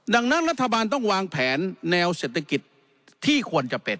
ดังนั้นรัฐบาลต้องวางแผนแนวเศรษฐกิจที่ควรจะเป็น